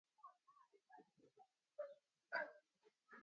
The party is the Swedish section of the LaRouche Movement.